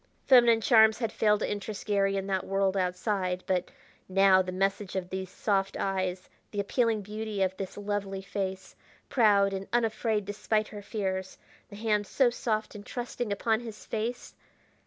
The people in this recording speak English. Feminine charms had failed to interest Garry in that world outside, but now the message of these soft eyes, the appealing beauty of this lovely face, proud and unafraid despite her fears, the hand so soft and trusting upon his face!